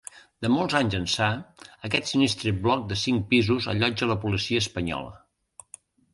De molts anys ençà, aquest sinistre bloc de cinc pisos allotja la policia espanyola.